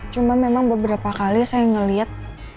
cuma memang beberapa kali saya ngeliat